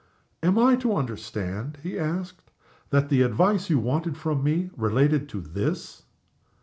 "Am I to understand," he asked, "that the advice you wanted from me related to _this?